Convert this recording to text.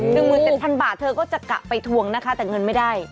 หนึ่งหมื่นเจ็ดพันบาทเธอก็จะกะไปทวงนะคะแต่เงินไม่ได้